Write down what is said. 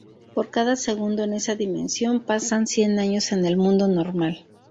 Por cada segundo en esa dimensión, pasan cien años en el mundo normal.